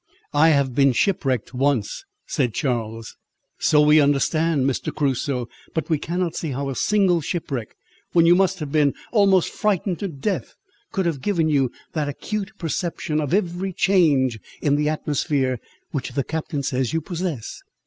"I have been shipwrecked once," said Charles. "So we understand from Mr. Crusoe; but we cannot see how a single shipwreck, when you must have been almost frightened to death, could have given you that acute perception of every change in the atmosphere, which the captain says you possess."